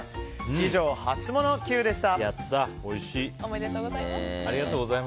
以上、ハツモノＱでした。